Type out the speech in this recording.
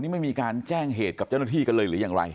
นี่ไม่มีการแจ้งเหตุกับเจ้าหน้าที่กันเลยหรือยังไร